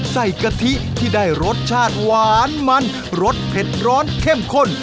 กะทิที่ได้รสชาติหวานมันรสเผ็ดร้อนเข้มข้น